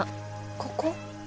ここ？